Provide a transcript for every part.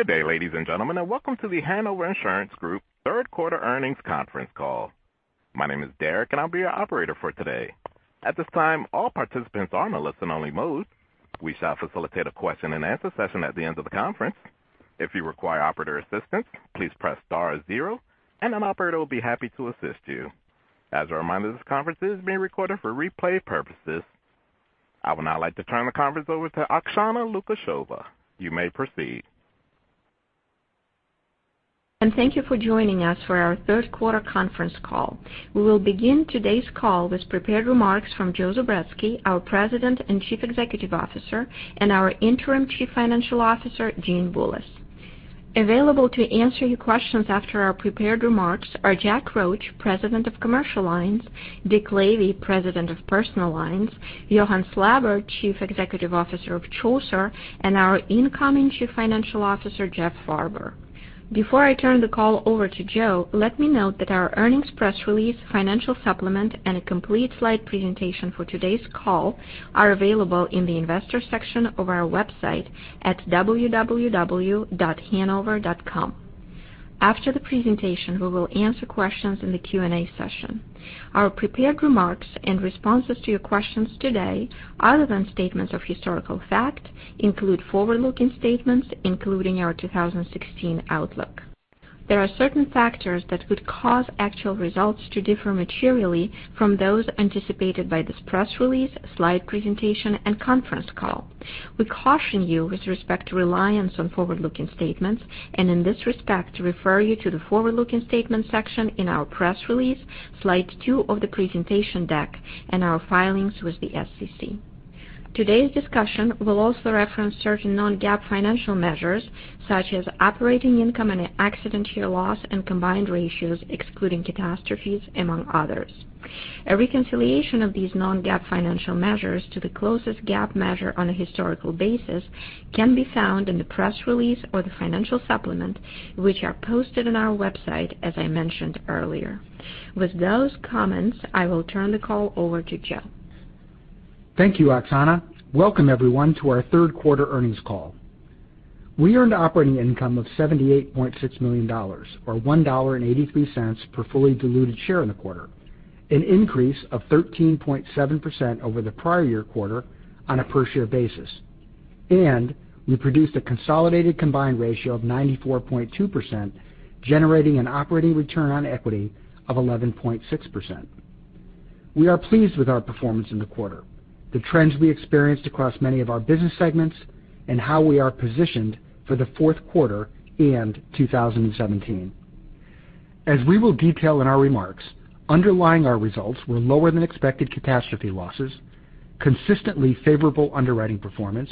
Good day, ladies and gentlemen, and welcome to The Hanover Insurance Group third quarter earnings conference call. My name is Derek, and I'll be your operator for today. At this time, all participants are on a listen-only mode. We shall facilitate a question-and-answer session at the end of the conference. If you require operator assistance, please press star zero, and an operator will be happy to assist you. As a reminder, this conference is being recorded for replay purposes. I would now like to turn the conference over to Oksana Lukasheva. You may proceed. Thank you for joining us for our third quarter conference call. We will begin today's call with prepared remarks from Joseph Zubretsky, our President and Chief Executive Officer, and our Interim Chief Financial Officer, Eugene Bullis. Available to answer your questions after our prepared remarks are John Roche, President of Commercial Lines, Richard Lavey, President of Personal Lines, Johan Slabbert, Chief Executive Officer of Chaucer, and our incoming Chief Financial Officer, Jeffrey Farber. Before I turn the call over to Joe, let me note that our earnings press release, financial supplement, and a complete slide presentation for today's call are available in the investor section of our website at www.hanover.com. After the presentation, we will answer questions in the Q&A session. Our prepared remarks and responses to your questions today, other than statements of historical fact, include forward-looking statements, including our 2016 outlook. There are certain factors that could cause actual results to differ materially from those anticipated by this press release, slide presentation, and conference call. We caution you with respect to reliance on forward-looking statements, and in this respect, refer you to the forward-looking statements section in our press release, slide two of the presentation deck, and our filings with the SEC. Today's discussion will also reference certain non-GAAP financial measures, such as operating income and accident year loss and combined ratios excluding catastrophes, among others. A reconciliation of these non-GAAP financial measures to the closest GAAP measure on a historical basis can be found in the press release or the financial supplement, which are posted on our website, as I mentioned earlier. With those comments, I will turn the call over to Joe. Thank you, Oksana. Welcome, everyone, to our third quarter earnings call. We earned operating income of $78.6 million, or $1.83 per fully diluted share in the quarter, an increase of 13.7% over the prior year quarter on a per-share basis. We produced a consolidated combined ratio of 94.2%, generating an operating return on equity of 11.6%. We are pleased with our performance in the quarter, the trends we experienced across many of our business segments, and how we are positioned for the fourth quarter and 2017. As we will detail in our remarks, underlying our results were lower-than-expected catastrophe losses, consistently favorable underwriting performance,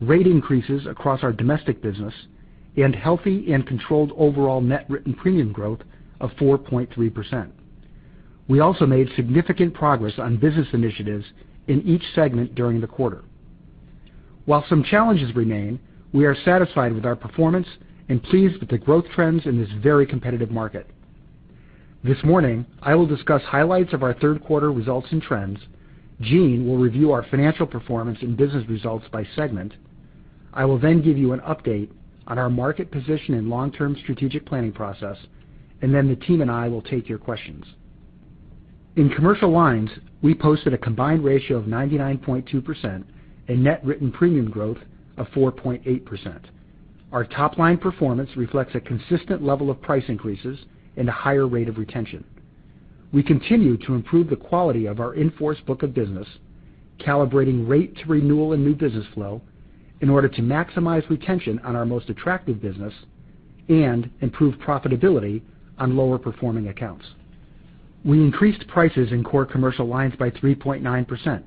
rate increases across our domestic business, and healthy and controlled overall net written premium growth of 4.3%. We also made significant progress on business initiatives in each segment during the quarter. While some challenges remain, we are satisfied with our performance and pleased with the growth trends in this very competitive market. This morning, I will discuss highlights of our third quarter results and trends. Gene will review our financial performance and business results by segment. I will then give you an update on our market position and long-term strategic planning process. The team and I will take your questions. In Commercial Lines, we posted a combined ratio of 99.2% and net written premium growth of 4.8%. Our top-line performance reflects a consistent level of price increases and a higher rate of retention. We continue to improve the quality of our in-force book of business, calibrating rate to renewal and new business flow in order to maximize retention on our most attractive business and improve profitability on lower-performing accounts. We increased prices in core Commercial Lines by 3.9%,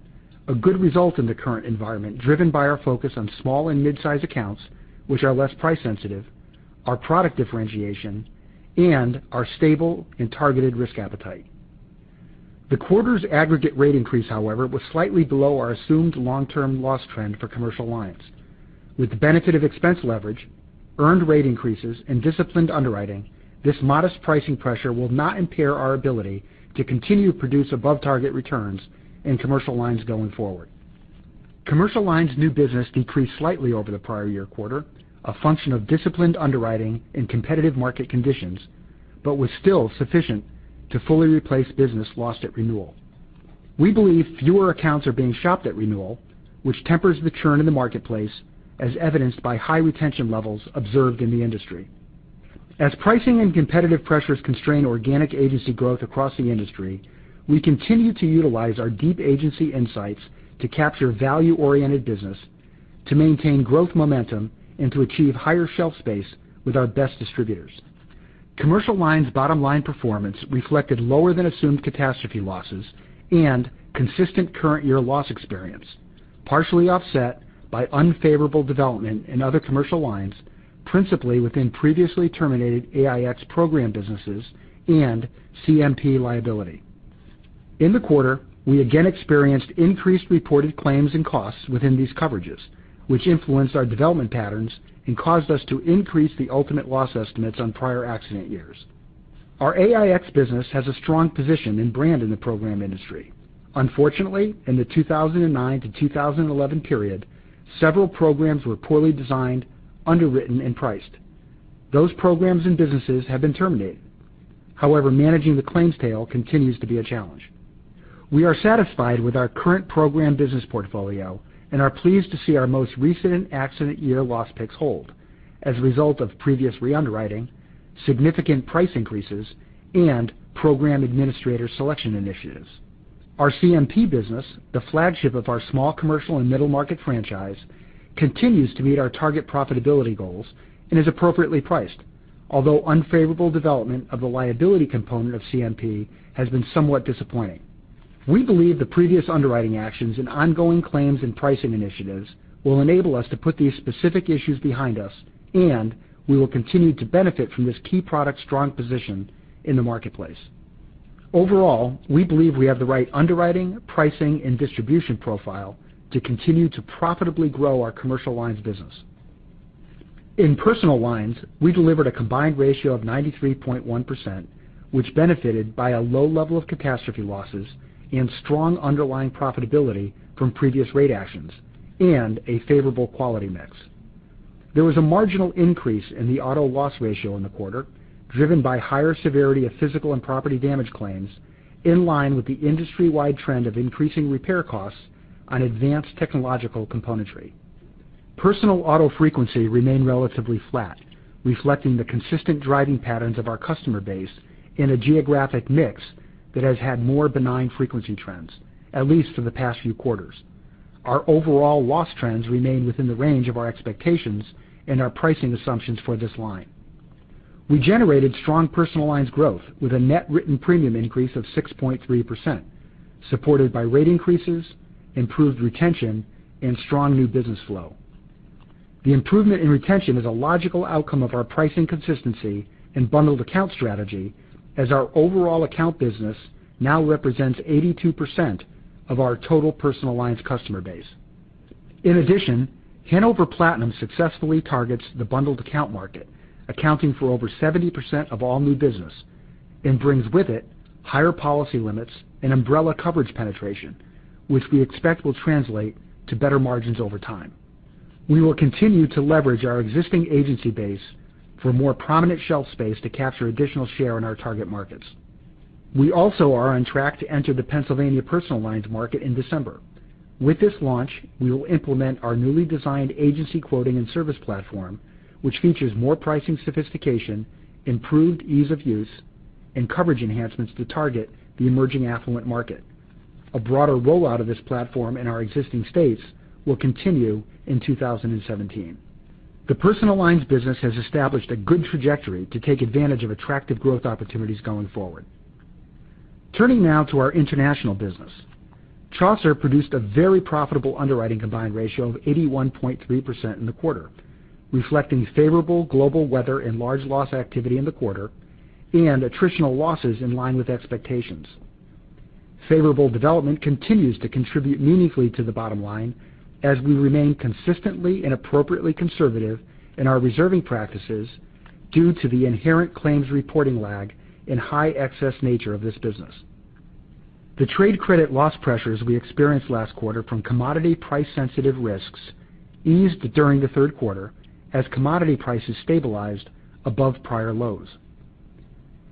a good result in the current environment driven by our focus on small and midsize accounts which are less price-sensitive, our product differentiation, and our stable and targeted risk appetite. The quarter's aggregate rate increase, however, was slightly below our assumed long-term loss trend for Commercial Lines. With the benefit of expense leverage, earned rate increases, and disciplined underwriting, this modest pricing pressure will not impair our ability to continue to produce above-target returns in Commercial Lines going forward. Commercial Lines' new business decreased slightly over the prior year quarter, a function of disciplined underwriting and competitive market conditions, but was still sufficient to fully replace business lost at renewal. We believe fewer accounts are being shopped at renewal, which tempers the churn in the marketplace, as evidenced by high retention levels observed in the industry. As pricing and competitive pressures constrain organic agency growth across the industry, we continue to utilize our deep agency insights to capture value-oriented business, to maintain growth momentum, and to achieve higher shelf space with our best distributors. Commercial Lines' bottom-line performance reflected lower-than-assumed catastrophe losses and consistent current year loss experience, partially offset by unfavorable development in other Commercial Lines, principally within previously terminated AIX program businesses and CMP liability. In the quarter, we again experienced increased reported claims and costs within these coverages, which influenced our development patterns and caused us to increase the ultimate loss estimates on prior accident years. Our AIX business has a strong position in brand in the program industry. Unfortunately, in the 2009 to 2011 period, several programs were poorly designed, underwritten, and priced. Those programs and businesses have been terminated. However, managing the claims tail continues to be a challenge. We are satisfied with our current program business portfolio and are pleased to see our most recent accident year loss picks hold as a result of previous re-underwriting, significant price increases, and program administrator selection initiatives. Our CMP business, the flagship of our small commercial and middle-market franchise, continues to meet our target profitability goals and is appropriately priced. Unfavorable development of the liability component of CMP has been somewhat disappointing. We believe the previous underwriting actions and ongoing claims and pricing initiatives will enable us to put these specific issues behind us. We will continue to benefit from this key product's strong position in the marketplace. Overall, we believe we have the right underwriting, pricing, and distribution profile to continue to profitably grow our commercial lines business. In personal lines, we delivered a combined ratio of 93.1%, which benefited by a low level of catastrophe losses and strong underlying profitability from previous rate actions and a favorable quality mix. There was a marginal increase in the auto loss ratio in the quarter, driven by higher severity of physical and property damage claims in line with the industry-wide trend of increasing repair costs on advanced technological componentry. Personal auto frequency remained relatively flat, reflecting the consistent driving patterns of our customer base in a geographic mix that has had more benign frequency trends, at least for the past few quarters. Our overall loss trends remain within the range of our expectations and our pricing assumptions for this line. We generated strong personal lines growth with a net written premium increase of 6.3%, supported by rate increases, improved retention, and strong new business flow. The improvement in retention is a logical outcome of our pricing consistency and bundled account strategy as our overall account business now represents 82% of our total personal lines customer base. In addition, Hanover Platinum successfully targets the bundled account market, accounting for over 70% of all new business, and brings with it higher policy limits and umbrella coverage penetration, which we expect will translate to better margins over time. We will continue to leverage our existing agency base for more prominent shelf space to capture additional share in our target markets. We also are on track to enter the Pennsylvania personal lines market in December. With this launch, we will implement our newly designed agency quoting and service platform, which features more pricing sophistication, improved ease of use, and coverage enhancements to target the emerging affluent market. A broader rollout of this platform in our existing states will continue in 2017. The personal lines business has established a good trajectory to take advantage of attractive growth opportunities going forward. Turning now to our international business. Chaucer produced a very profitable underwriting combined ratio of 81.3% in the quarter, reflecting favorable global weather and large loss activity in the quarter and attritional losses in line with expectations. Favorable development continues to contribute meaningfully to the bottom line as we remain consistently and appropriately conservative in our reserving practices due to the inherent claims reporting lag and high excess nature of this business. The trade credit loss pressures we experienced last quarter from commodity price-sensitive risks eased during the third quarter as commodity prices stabilized above prior lows.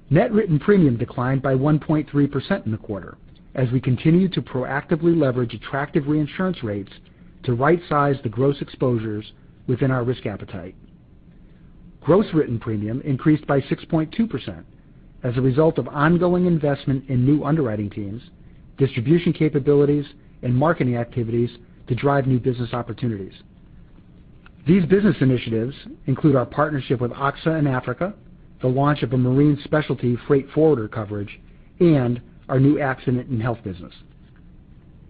Net written premium declined by 1.3% in the quarter as we continued to proactively leverage attractive reinsurance rates to rightsize the gross exposures within our risk appetite. Gross written premium increased by 6.2% as a result of ongoing investment in new underwriting teams, distribution capabilities, and marketing activities to drive new business opportunities. These business initiatives include our partnership with AXA in Africa, the launch of a marine specialty freight forwarder coverage, and our new accident and health business.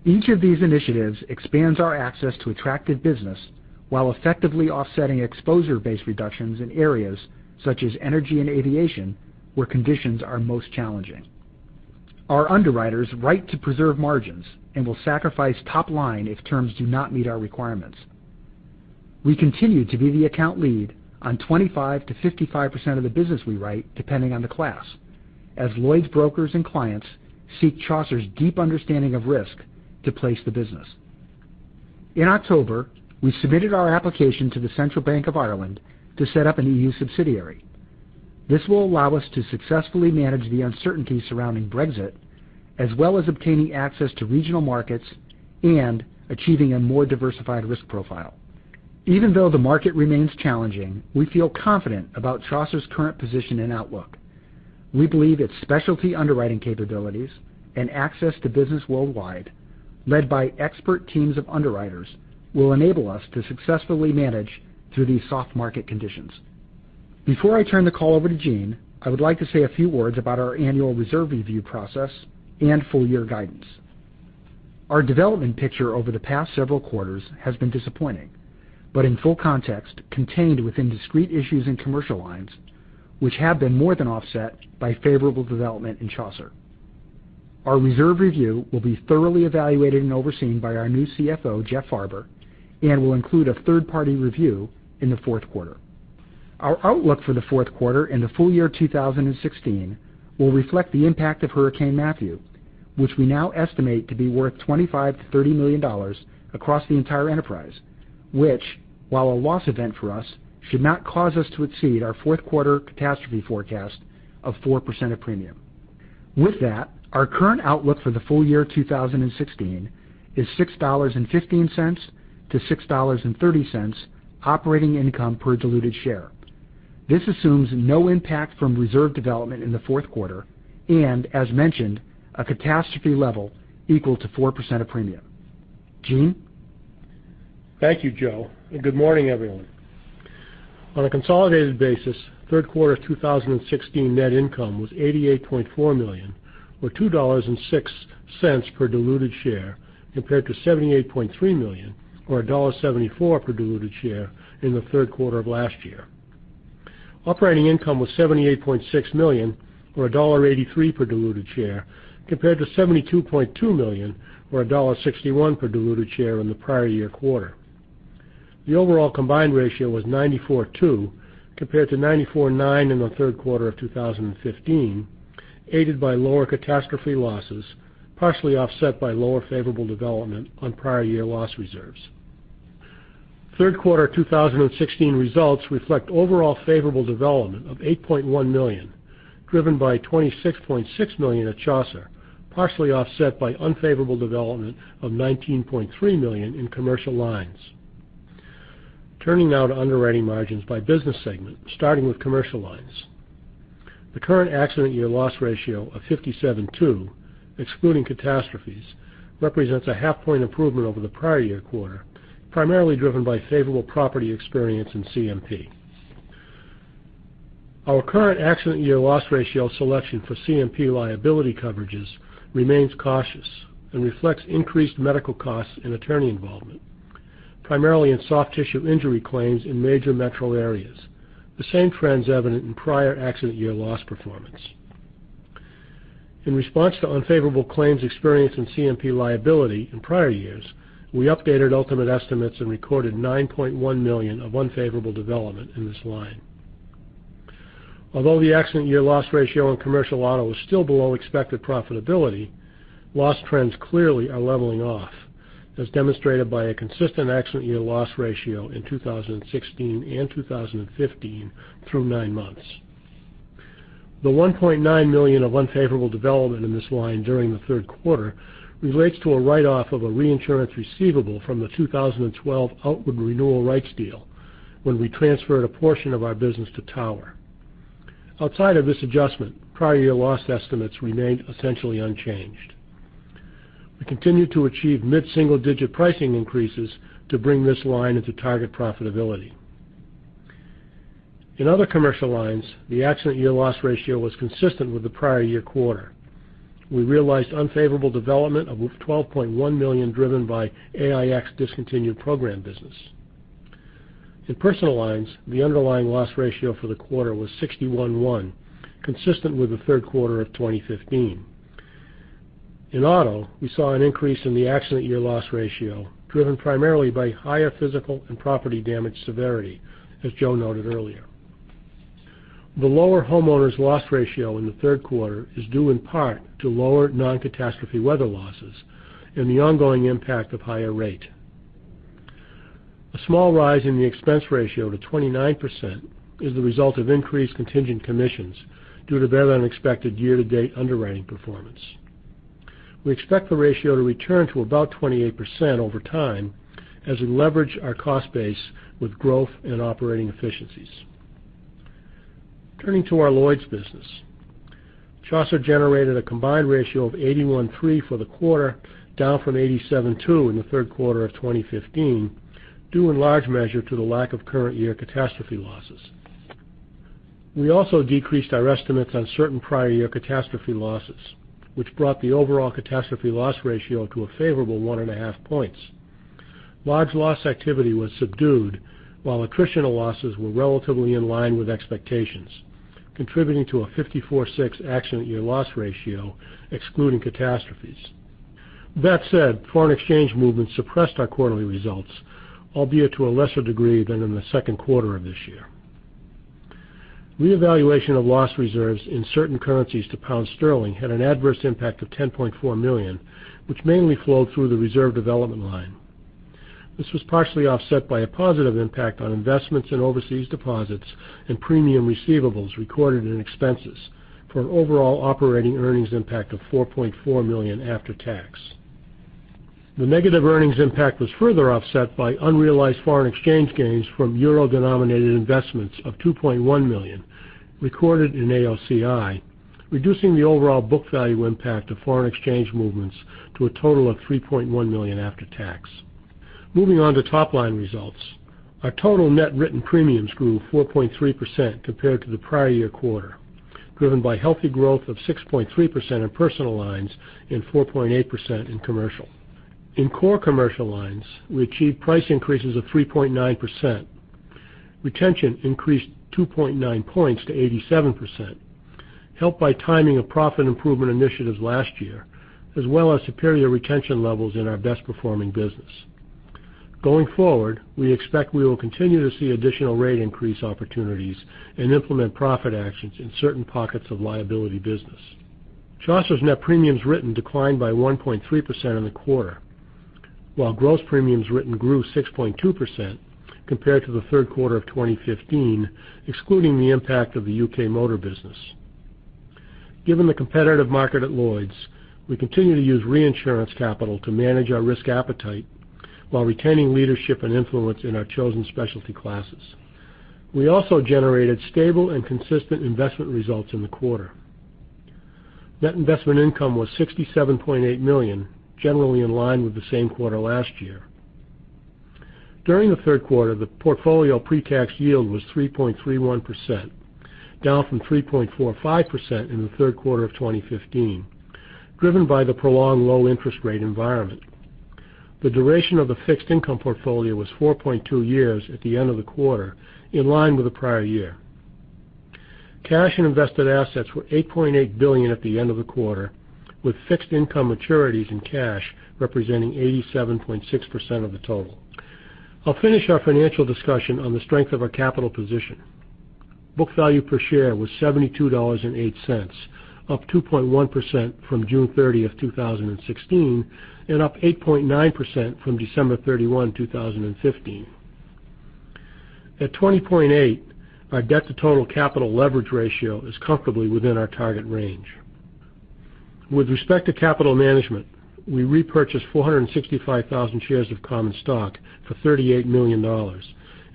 Each of these initiatives expands our access to attractive business while effectively offsetting exposure-based reductions in areas such as energy and aviation, where conditions are most challenging. Our underwriters write to preserve margins and will sacrifice top line if terms do not meet our requirements. We continue to be the account lead on 25%-55% of the business we write, depending on the class, as Lloyd's brokers and clients seek Chaucer's deep understanding of risk to place the business. In October, we submitted our application to the Central Bank of Ireland to set up an EU subsidiary. This will allow us to successfully manage the uncertainty surrounding Brexit, as well as obtaining access to regional markets and achieving a more diversified risk profile. Even though the market remains challenging, we feel confident about Chaucer's current position and outlook. We believe its specialty underwriting capabilities and access to business worldwide, led by expert teams of underwriters, will enable us to successfully manage through these soft market conditions. Before I turn the call over to Gene, I would like to say a few words about our annual reserve review process and full-year guidance. Our development picture over the past several quarters has been disappointing, but in full context, contained within discrete issues in commercial lines, which have been more than offset by favorable development in Chaucer. Our reserve review will be thoroughly evaluated and overseen by our new CFO, Jeffrey Farber, and will include a third-party review in the fourth quarter. Our outlook for the fourth quarter and the full year 2016 will reflect the impact of Hurricane Matthew, which we now estimate to be worth $25 million-$30 million across the entire enterprise, which, while a loss event for us, should not cause us to exceed our fourth quarter catastrophe forecast of 4% of premium. Our current outlook for the full year 2016 is $6.15-$6.30 operating income per diluted share. This assumes no impact from reserve development in the fourth quarter, and as mentioned, a catastrophe level equal to 4% of premium. Gene? Thank you, Joe, good morning, everyone. On a consolidated basis, third quarter 2016 net income was $88.4 million or $2.06 per diluted share, compared to $78.3 million or $1.74 per diluted share in the third quarter of last year. Operating income was $78.6 million or $1.83 per diluted share, compared to $72.2 million or $1.61 per diluted share in the prior year quarter. The overall combined ratio was 94.2, compared to 94.9 in the third quarter of 2015, aided by lower catastrophe losses, partially offset by lower favorable development on prior year loss reserves. Third quarter 2016 results reflect overall favorable development of $8.1 million, driven by $26.6 million at Chaucer, partially offset by unfavorable development of $19.3 million in commercial lines. Turning now to underwriting margins by business segment, starting with commercial lines. The current accident year loss ratio of 57.2, excluding catastrophes, represents a half point improvement over the prior year quarter, primarily driven by favorable property experience in CMP. Our current accident year loss ratio selection for CMP liability coverages remains cautious and reflects increased medical costs and attorney involvement, primarily in soft tissue injury claims in major metro areas, the same trends evident in prior accident year loss performance. In response to unfavorable claims experience in CMP liability in prior years, we updated ultimate estimates and recorded $9.1 million of unfavorable development in this line. Although the accident year loss ratio in commercial auto was still below expected profitability, loss trends clearly are leveling off, as demonstrated by a consistent accident year loss ratio in 2016 and 2015 through nine months. The $1.9 million of unfavorable development in this line during the third quarter relates to a write-off of a reinsurance receivable from the 2012 outward renewal rights deal when we transferred a portion of our business to Tower. Outside of this adjustment, prior year loss estimates remained essentially unchanged. We continued to achieve mid-single-digit pricing increases to bring this line into target profitability. In other commercial lines, the accident year loss ratio was consistent with the prior year quarter. We realized unfavorable development of $12.1 million driven by AIX discontinued program business. In personal lines, the underlying loss ratio for the quarter was 61.1, consistent with the third quarter of 2015. In auto, we saw an increase in the accident year loss ratio driven primarily by higher physical and property damage severity, as Joe noted earlier. The lower homeowners' loss ratio in the third quarter is due in part to lower non-catastrophe weather losses and the ongoing impact of higher rate. A small rise in the expense ratio to 29% is the result of increased contingent commissions due to better-than-expected year-to-date underwriting performance. We expect the ratio to return to about 28% over time as we leverage our cost base with growth and operating efficiencies. Turning to our Lloyd's business. Chaucer generated a combined ratio of 81.3 for the quarter, down from 87.2 in the third quarter of 2015, due in large measure to the lack of current year catastrophe losses. We also decreased our estimates on certain prior year catastrophe losses, which brought the overall catastrophe loss ratio to a favorable one and a half points. Large loss activity was subdued while attritional losses were relatively in line with expectations, contributing to a 54.6 accident year loss ratio excluding catastrophes. That said, foreign exchange movements suppressed our quarterly results, albeit to a lesser degree than in the second quarter of this year. Reevaluation of loss reserves in certain currencies to pound sterling had an adverse impact of $10.4 million, which mainly flowed through the reserve development line. This was partially offset by a positive impact on investments in overseas deposits and premium receivables recorded in expenses for an overall operating earnings impact of $4.4 million after tax. The negative earnings impact was further offset by unrealized foreign exchange gains from euro-denominated investments of $2.1 million recorded in AOCI, reducing the overall book value impact of foreign exchange movements to a total of $3.1 million after tax. Moving on to top-line results. Our total net written premiums grew 4.3% compared to the prior year quarter, driven by healthy growth of 6.3% in personal lines and 4.8% in commercial. In core commercial lines, we achieved price increases of 3.9%. Retention increased 2.9 points to 87%, helped by timing of profit improvement initiatives last year, as well as superior retention levels in our best-performing business. Going forward, we expect we will continue to see additional rate increase opportunities and implement profit actions in certain pockets of liability business. Chaucer's net premiums written declined by 1.3% in the quarter, while gross premiums written grew 6.2% compared to the third quarter of 2015, excluding the impact of the U.K. motor business. Given the competitive market at Lloyd's, we continue to use reinsurance capital to manage our risk appetite while retaining leadership and influence in our chosen specialty classes. We also generated stable and consistent investment results in the quarter. Net investment income was $67.8 million, generally in line with the same quarter last year. During the third quarter, the portfolio pretax yield was 3.31%, down from 3.45% in the third quarter of 2015, driven by the prolonged low interest rate environment. The duration of the fixed income portfolio was 4.2 years at the end of the quarter, in line with the prior year. Cash and invested assets were $8.8 billion at the end of the quarter, with fixed income maturities and cash representing 87.6% of the total. I'll finish our financial discussion on the strength of our capital position. Book value per share was $72.08, up 2.1% from June 30th, 2016, and up 8.9% from December 31, 2015. At 20.8, our debt to total capital leverage ratio is comfortably within our target range. With respect to capital management, we repurchased 465,000 shares of common stock for $38 million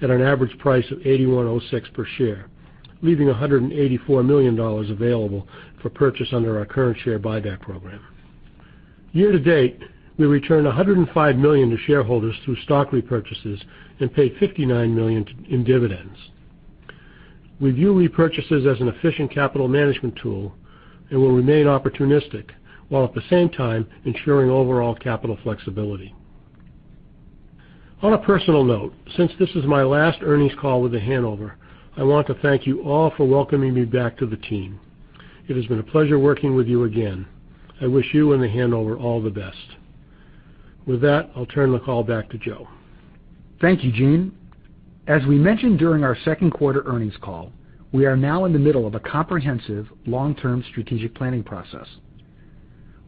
at an average price of $81.06 per share, leaving $184 million available for purchase under our current share buyback program. Year to date, we returned $105 million to shareholders through stock repurchases and paid $59 million in dividends. We view repurchases as an efficient capital management tool and will remain opportunistic, while at the same time ensuring overall capital flexibility. On a personal note, since this is my last earnings call with The Hanover, I want to thank you all for welcoming me back to the team. It has been a pleasure working with you again. I wish you and The Hanover all the best. With that, I'll turn the call back to Joe. Thank you, Gene. As we mentioned during our second quarter earnings call, we are now in the middle of a comprehensive long-term strategic planning process.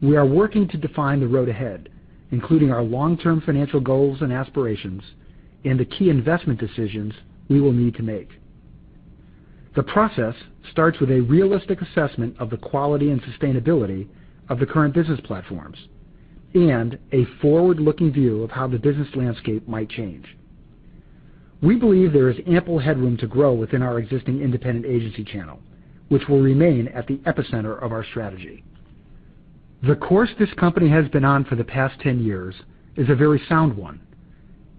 We are working to define the road ahead, including our long-term financial goals and aspirations and the key investment decisions we will need to make. The process starts with a realistic assessment of the quality and sustainability of the current business platforms and a forward-looking view of how the business landscape might change. We believe there is ample headroom to grow within our existing independent agency channel, which will remain at the epicenter of our strategy. The course this company has been on for the past 10 years is a very sound one.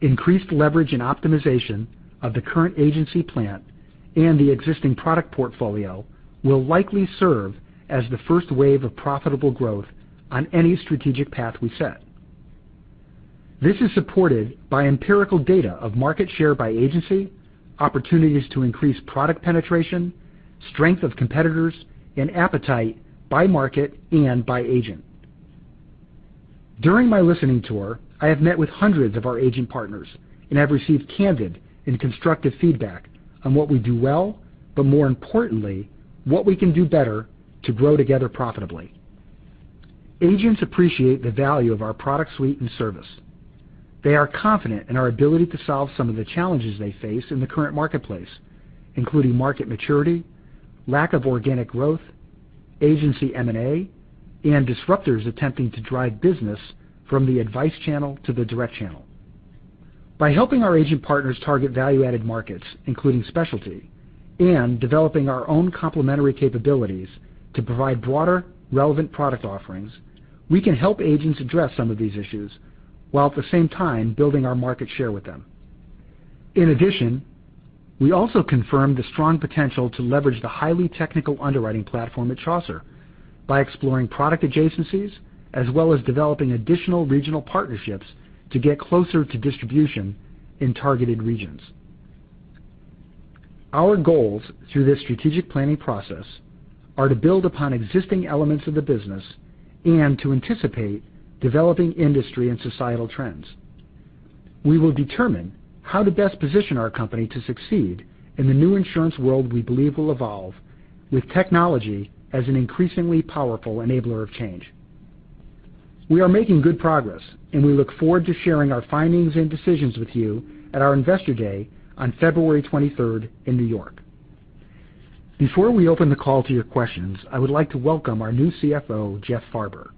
Increased leverage and optimization of the current agency plan and the existing product portfolio will likely serve as the first wave of profitable growth on any strategic path we set. This is supported by empirical data of market share by agency, opportunities to increase product penetration, strength of competitors, and appetite by market and by agent. During my listening tour, I have met with hundreds of our agent partners and have received candid and constructive feedback on what we do well, but more importantly, what we can do better to grow together profitably. Agents appreciate the value of our product suite and service. They are confident in our ability to solve some of the challenges they face in the current marketplace, including market maturity, lack of organic growth, agency M&A, and disruptors attempting to drive business from the advice channel to the direct channel. By helping our agent partners target value-added markets, including specialty, and developing our own complementary capabilities to provide broader relevant product offerings, we can help agents address some of these issues, while at the same time building our market share with them. In addition, we also confirmed the strong potential to leverage the highly technical underwriting platform at Chaucer by exploring product adjacencies as well as developing additional regional partnerships to get closer to distribution in targeted regions. Our goals through this strategic planning process are to build upon existing elements of the business and to anticipate developing industry and societal trends. We will determine how to best position our company to succeed in the new insurance world we believe will evolve with technology as an increasingly powerful enabler of change. We are making good progress, we look forward to sharing our findings and decisions with you at our Investor Day on February 23rd in New York. Before we open the call to your questions, I would like to welcome our new CFO, Jeffrey Farber.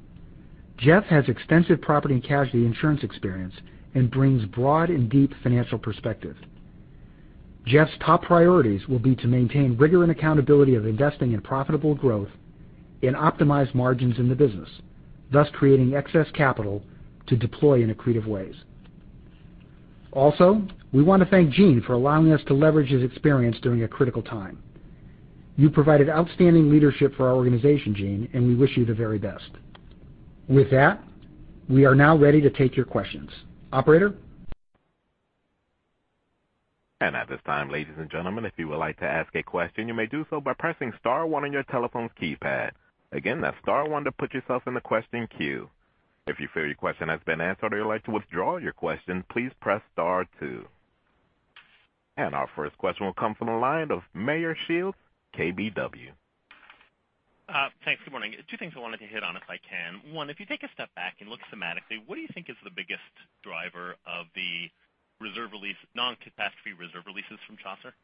Jeff has extensive property and casualty insurance experience and brings broad and deep financial perspective. Jeff's top priorities will be to maintain rigor and accountability of investing in profitable growth and optimize margins in the business, thus creating excess capital to deploy in accretive ways. We want to thank Gene for allowing us to leverage his experience during a critical time. You provided outstanding leadership for our organization, Gene, we wish you the very best. With that, we are now ready to take your questions. Operator? At this time, ladies and gentlemen, if you would like to ask a question, you may do so by pressing star one on your telephone keypad. Again, that's star one to put yourself in the question queue. If you feel your question has been answered or you'd like to withdraw your question, please press star two. Our first question will come from the line of Meyer Shields, KBW. Thanks. Good morning. Two things I wanted to hit on, if I can. One, if you take a step back and look thematically, what do you think is the biggest driver of the non-catastrophe reserve releases from Chaucer?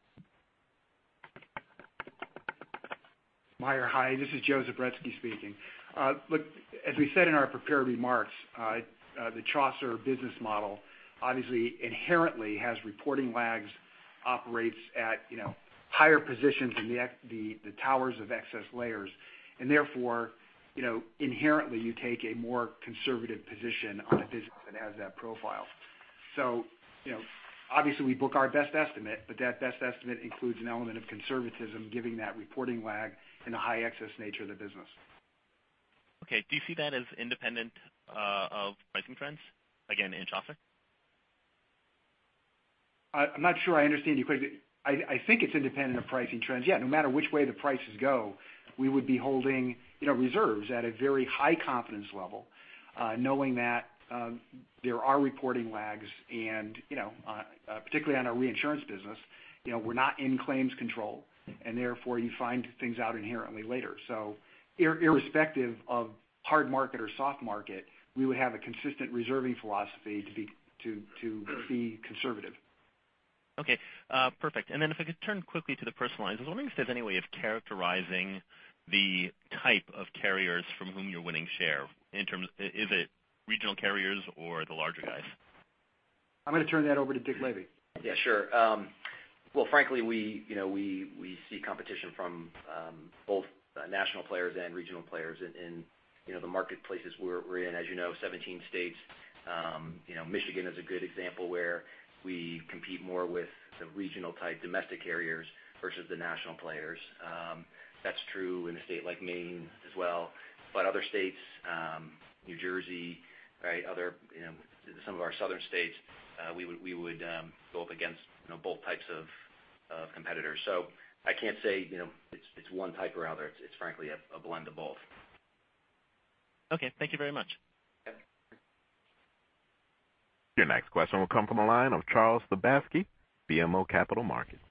Meyer, hi. This is Joseph Zubretsky speaking. As we said in our prepared remarks, the Chaucer business model obviously inherently has reporting lags, operates at higher positions in the towers of excess layers, and therefore, inherently you take a more conservative position on a business that has that profile. Obviously we book our best estimate, but that best estimate includes an element of conservatism, giving that reporting lag and the high excess nature of the business. Okay. Do you see that as independent of pricing trends, again, in Chaucer? I'm not sure I understand your question. I think it's independent of pricing trends, yeah. No matter which way the prices go, we would be holding reserves at a very high confidence level, knowing that there are reporting lags and, particularly on our reinsurance business, we're not in claims control, and therefore you find things out inherently later. Irrespective of hard market or soft market, we would have a consistent reserving philosophy to be conservative. Okay. Perfect. If I could turn quickly to the personal lines. I was wondering if there's any way of characterizing the type of carriers from whom you're winning share in terms of, is it regional carriers or the larger guys? I'm going to turn that over to Dick Lavey. Yeah, sure. Well, frankly, we see competition from both national players and regional players in the marketplaces we're in. As you know, 17 states. Michigan is a good example where we compete more with the regional type domestic carriers versus the national players. That's true in a state like Maine as well. Other states, New Jersey, some of our southern states, we would go up against both types of competitors. I can't say it's one type or other. It's frankly a blend of both. Okay. Thank you very much. Yeah. Your next question will come from the line of Charles Sebaski, BMO Capital Markets.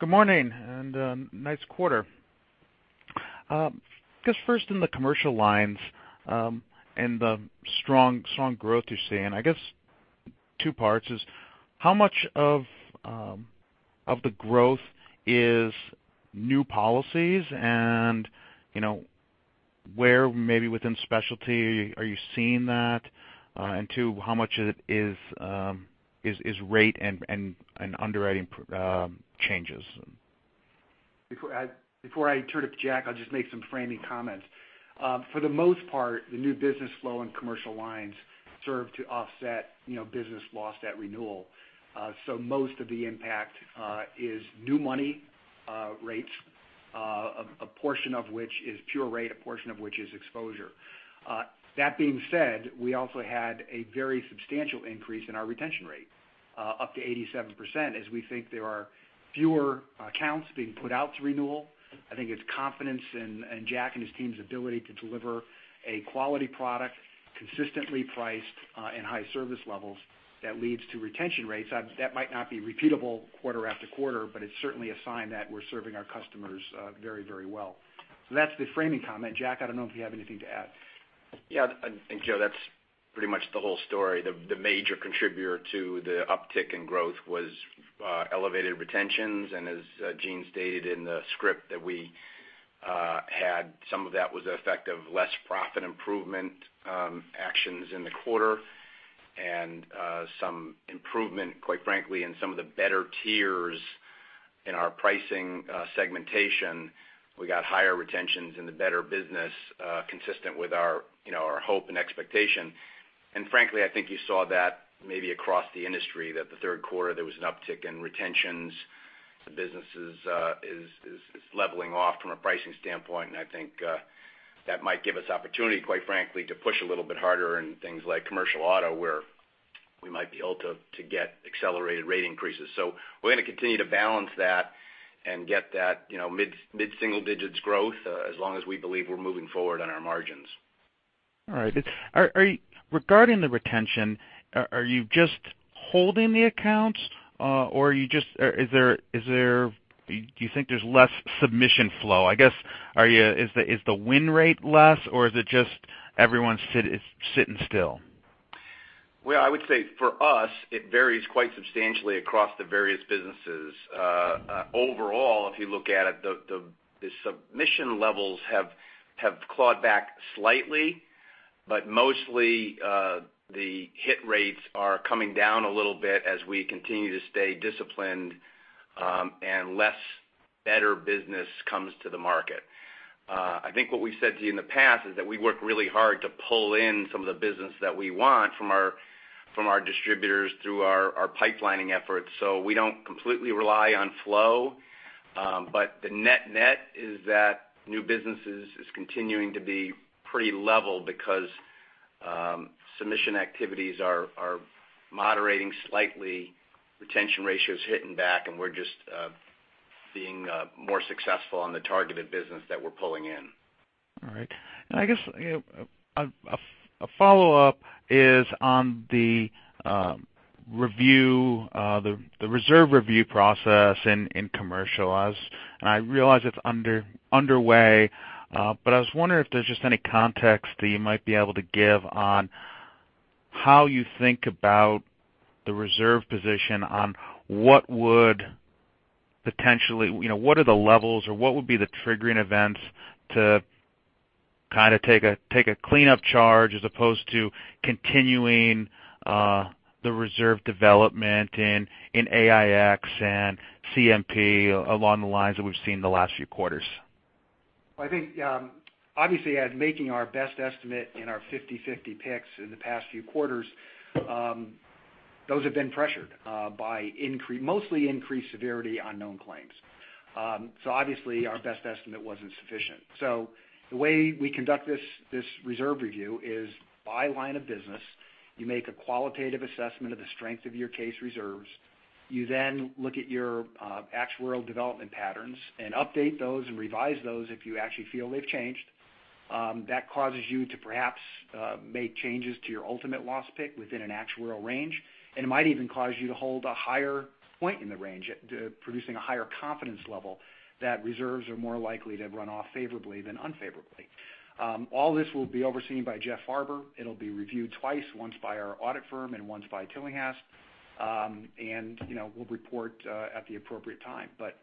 Good morning, and nice quarter. I guess first in the commercial lines, and the strong growth you're seeing, I guess two parts is how much of the growth is new policies and where maybe within specialty are you seeing that? Two, how much of it is rate and underwriting changes? Before I turn it to Jack, I'll just make some framing comments. For the most part, the new business flow and commercial lines serve to offset business lost at renewal. Most of the impact is new money rates, a portion of which is pure rate, a portion of which is exposure. That being said, we also had a very substantial increase in our retention rate, up to 87%, as we think there are fewer accounts being put out to renewal. I think it's confidence in Jack and his team's ability to deliver a quality product, consistently priced and high service levels that leads to retention rates. That might not be repeatable quarter after quarter, but it's certainly a sign that we're serving our customers very well. That's the framing comment. Jack, I don't know if you have anything to add. Yeah. I think, Joe, that's pretty much the whole story. The major contributor to the uptick in growth was elevated retentions, as Gene stated in the script that we had, some of that was the effect of less profit improvement actions in the quarter and some improvement, quite frankly, in some of the better tiers in our pricing segmentation. We got higher retentions in the better business, consistent with our hope and expectation. Frankly, I think you saw that maybe across the industry, that the third quarter there was an uptick in retentions. The business is leveling off from a pricing standpoint, I think that might give us opportunity, quite frankly, to push a little bit harder in things like commercial auto, where we might be able to get accelerated rate increases. We're going to continue to balance that and get that mid-single digits growth, as long as we believe we're moving forward on our margins. All right. Regarding the retention, are you just holding the accounts, or do you think there's less submission flow? I guess, is the win rate less, or is it just everyone's sitting still? Well, I would say for us, it varies quite substantially across the various businesses. Overall, if you look at it, the submission levels have clawed back slightly, but mostly, the hit rates are coming down a little bit as we continue to stay disciplined, and less better business comes to the market. I think what we've said to you in the past is that we work really hard to pull in some of the business that we want from our distributors through our pipelining efforts. We don't completely rely on flow. The net is that new business is continuing to be pretty level because submission activities are moderating slightly, retention ratio's hitting back, and we're just being more successful on the targeted business that we're pulling in. All right. I guess a follow-up is on the reserve review process in Commercial Lines, and I realize it's underway, but I was wondering if there's just any context that you might be able to give on how you think about the reserve position on what are the levels or what would be the triggering events to take a cleanup charge as opposed to continuing the reserve development in AIX and CMP along the lines that we've seen the last few quarters. I think, obviously as making our best estimate in our 50/50 picks in the past few quarters, those have been pressured by mostly increased severity on known claims. Obviously, our best estimate wasn't sufficient. The way we conduct this reserve review is by line of business, you make a qualitative assessment of the strength of your case reserves. You then look at your actuarial development patterns and update those and revise those if you actually feel they've changed. That causes you to perhaps make changes to your ultimate loss pick within an actuarial range, and it might even cause you to hold a higher point in the range, producing a higher confidence level that reserves are more likely to run off favorably than unfavorably. All this will be overseen by Jeffrey Farber. It'll be reviewed twice, once by our audit firm and once by Tillinghast. We'll report at the appropriate time, but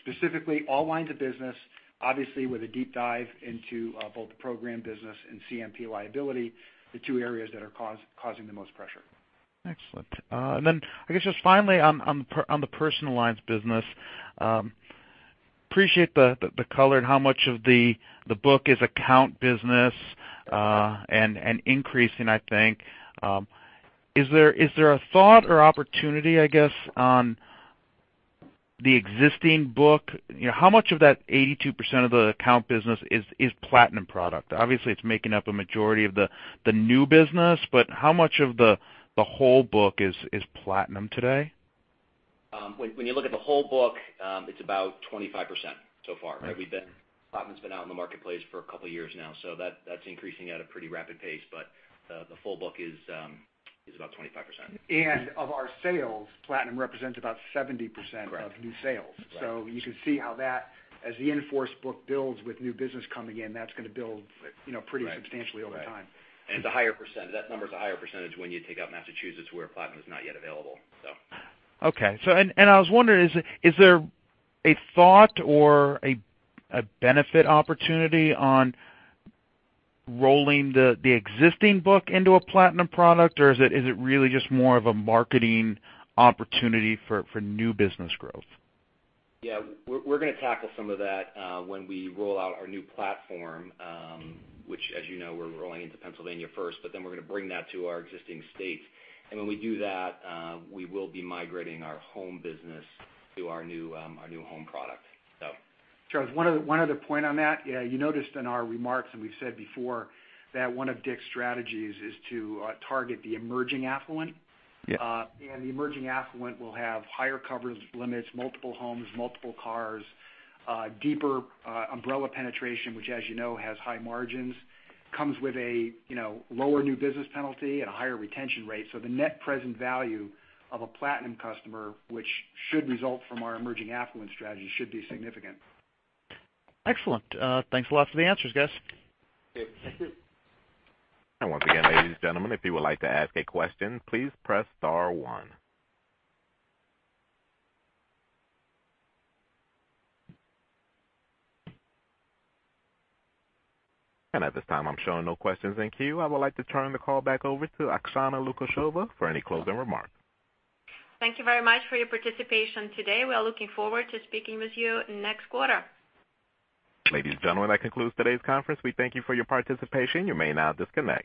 specifically all lines of business, obviously with a deep dive into both the program business and CMP liability, the two areas that are causing the most pressure. Excellent. I guess just finally on the Personal Lines business, appreciate the color on how much of the book is account business, and increasing, I think. Is there a thought or opportunity, I guess, on the existing book? How much of that 82% of the account business is Platinum product? Obviously, it's making up a majority of the new business, but how much of the whole book is Platinum today? When you look at the whole book, it's about 25% so far, right? Platinum's been out in the marketplace for a couple of years now. That's increasing at a pretty rapid pace. The full book is about 25%. Of our sales, Platinum represents about 70%. Correct of new sales. Right. You can see how as the in-force book builds with new business coming in, that's going to build pretty substantially over time. That number's a higher % when you take out Massachusetts, where Platinum is not yet available. Okay. I was wondering, is there a thought or a benefit opportunity on rolling the existing book into a Platinum product, or is it really just more of a marketing opportunity for new business growth? Yeah. We're going to tackle some of that when we roll out our new platform, which as you know, we're rolling into Pennsylvania first, but then we're going to bring that to our existing states. When we do that, we will be migrating our home business to our new home product. Charles, one other point on that. You noticed in our remarks, we've said before, that one of Dick's strategies is to target the emerging affluent. Yeah. The emerging affluent will have higher coverage limits, multiple homes, multiple cars, deeper umbrella penetration, which as you know, has high margins, comes with a lower new business penalty and a higher retention rate. The net present value of a Platinum customer, which should result from our emerging affluent strategy, should be significant. Excellent. Thanks a lot for the answers, guys. Thank you. Thank you. Once again, ladies and gentlemen, if you would like to ask a question, please press star one. At this time, I'm showing no questions in queue. I would like to turn the call back over to Oksana Lukasheva for any closing remarks. Thank you very much for your participation today. We are looking forward to speaking with you next quarter. Ladies and gentlemen, that concludes today's conference. We thank you for your participation. You may now disconnect.